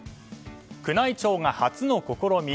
宮内庁が初の試み。